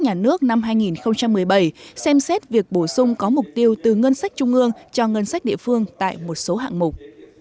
nhà nước năm hai nghìn một mươi bảy xem xét việc bổ sung có mục tiêu từ ngân sách trung ương cho ngân sách địa phương tại một số hạng mục